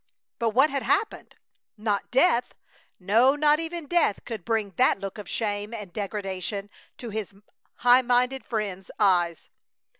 But what had happened? Not death! No, not even death could bring that look of shame and degradation to his high minded friend's eyes.